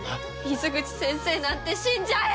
水口先生なんて死んじゃえ！